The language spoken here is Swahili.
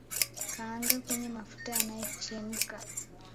Kaanga kwenye mafuta yanayochemka